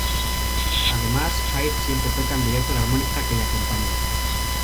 Además Hyde siempre toca en directo la armónica que la acompaña.